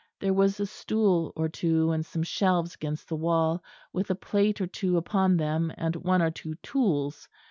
There was a stool or two and some shelves against the wall, with a plate or two upon them and one or two tools.